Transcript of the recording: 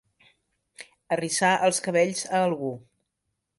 Arrissar els cabells a algú.